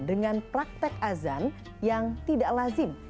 dengan praktek azan yang tidak lazim